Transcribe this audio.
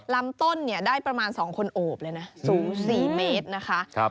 ลำต้นเนี่ยได้ประมาณ๒คนโอบเลยนะสูง๔เมตรนะคะ